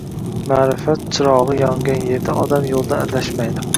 Maʼrifat chirogʻi yongan yerda odam yoʻldan adashmaydi